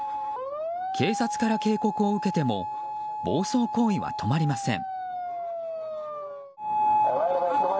警察から警告を受けても暴走行為は止まりません。